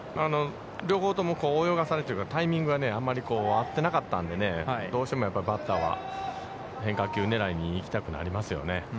両方とも泳がされるというか、タイミングがあんまり合ってなかったんでねどうしてもバッターは、変化球狙いに行きたくなりますよね。